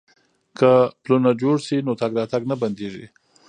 که پلونه جوړ شي نو تګ راتګ نه بندیږي.